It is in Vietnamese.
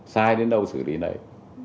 sai đến đâu xử lý này